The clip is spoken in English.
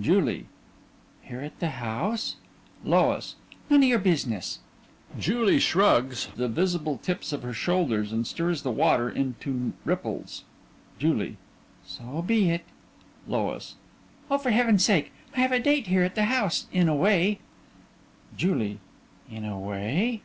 JULIE: Here at the house? LOIS: None of your business. (JULIE shrugs the visible tips of her shoulders and stirs the water into ripples.) JULIE: So be it. LOIS: Oh, for Heaven's sake, yes! I have a date here, at the house in a way. JULIE: In a way?